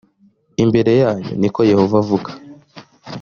imbere yanyu ni ko yehova avuga